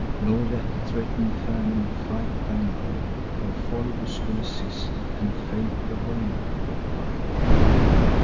Nor let the threaten'd famine fright thy mind, For Phoebus will assist, and Fate the way will find.